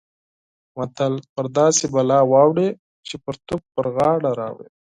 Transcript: متل: پر هسې بلا واوړې چې پرتوګ پر غاړه راوړې.